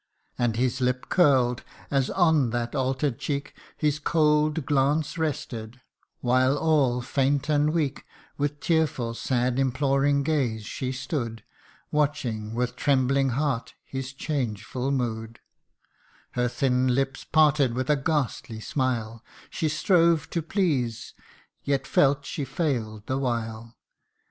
And his lip curl'd, as on that alter 'd cheek His cold glance rested while, all faint and weak, With tearful sad imploring gaze she stood, Watching with trembling heart his changeful mood ; Her thin lips parted with a ghastly smile, She strove to please yet felt she fail'd the while.